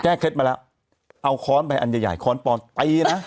เคล็ดมาแล้วเอาค้อนไปอันใหญ่ใหญ่ค้อนปอนตีนะ